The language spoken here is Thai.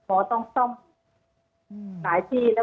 อันดับที่สุดท้าย